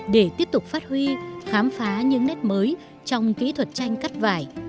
để tiếp tục phát huy khám phá những nét mới trong kỹ thuật tranh cắt vải